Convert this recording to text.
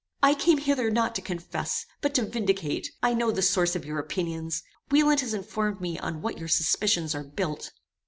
"I came hither not to confess, but to vindicate. I know the source of your opinions. Wieland has informed me on what your suspicions are built.